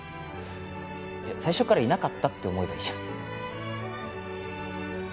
最初からいなかったって思えばいいじゃん。